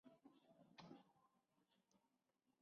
La embajada de Estados Unidos está localizada en Belmopán.